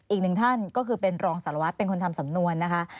อีกหนึ่งท่านก็คือเป็นรองสารวัตรเป็นคนทำสำนวนนะคะ